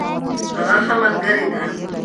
هغه ښه ملګرې ده.